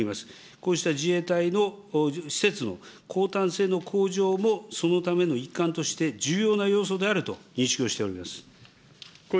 こうした自衛隊の施設の抗堪性の向上もそのための一環として、重要な要素であると認識をしております。